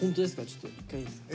ちょっと一回いいですか？